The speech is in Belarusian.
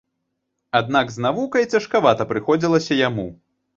Аднак з навукай цяжкавата прыходзілася яму.